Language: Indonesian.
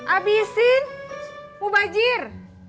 abisin mau bajir